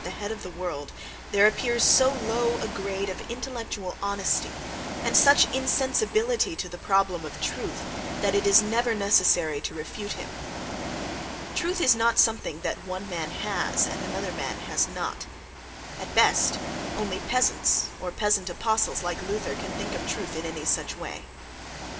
In the very tone in which a martyr flings what he fancies to be true at the head of the world there appears so low a grade of intellectual honesty and such insensibility to the problem of "truth," that it is never necessary to refute him. Truth is not something that one man has and another man has not: at best, only peasants, or peasant apostles like Luther, can think of truth in any such way.